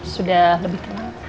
sudah lebih tenang